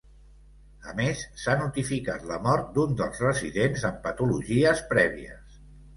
A més s’ha notificat la mort d’un dels residents amb patologies prèvies.